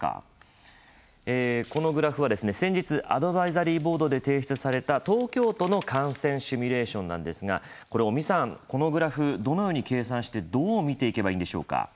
このグラフは先日アドバイザリーボードで提出された東京都の感染シミュレーションなんですがこのグラフ、どのように計算してどう見ていけばいいんでしょうか。